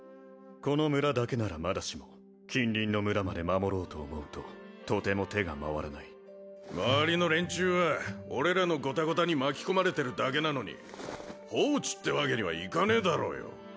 この村だけならまだしも近隣の村まで守ろうと思うととても手が回らない周りの連中は俺らのゴタゴタに巻き込まれてるだけなのに放置ってわけにはいかねえだろうよ